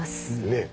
ねえ。